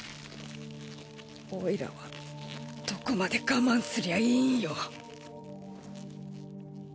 オイラはどこまで我慢すりゃいいんよ。